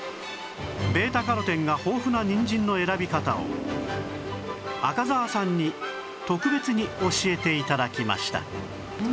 β− カロテンが豊富なにんじんの選び方を赤澤さんに特別に教えて頂きました